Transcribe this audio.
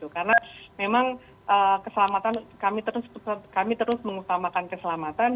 karena memang kami terus mengutamakan keselamatan